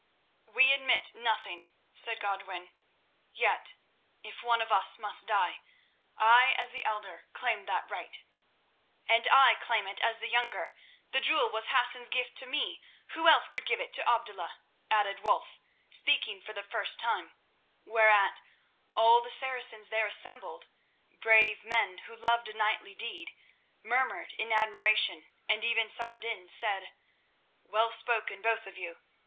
"We admit nothing," said Godwin; "yet, if one of us must die, I as the elder claim that right." "And I claim it as the younger. The jewel was Hassan's gift to me; who else could give it to Abdullah?" added Wulf, speaking for the first time, whereat all the Saracens there assembled, brave men who loved a knightly deed, murmured in admiration, and even Saladin said: "Well spoken, both of you.